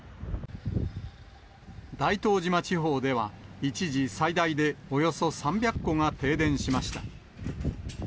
大東島地方では、一時、最大でおよそ３００戸が停電しました。